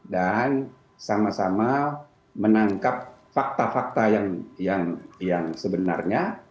dan sama sama menangkap fakta fakta yang sebenarnya